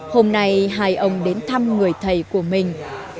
hôm nay hai ông đến thăm người thầy của mình